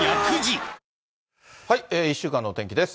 １週間のお天気です。